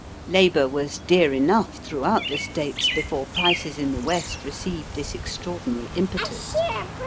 Labour was dear enough throughout the States before prices in the West received this extraordinary impetus.